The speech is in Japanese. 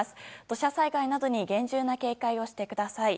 土砂災害などに厳重な警戒をしてください。